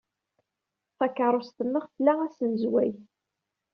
Takeṛṛust-nneɣ tla asnezway.